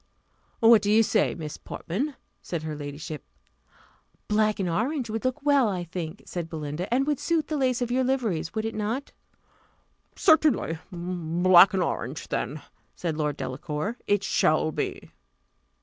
"What do you say, Miss Portman?" said her ladyship. "Black and orange would look well, I think," said Belinda, "and would suit the lace of your liveries would not it?" "Certainly: black and orange then," said Lord Delacour, "it shall be."